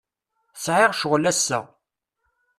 Sɛiɣ ccɣel ass-a.